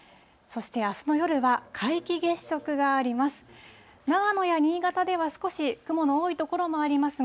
そしてあすの夜は皆既月食があります。